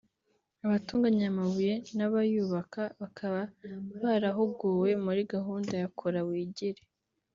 Abatunganya aya mabuye n’abayubaka bakaba barahuguwe muri gahunda ya Kora wigire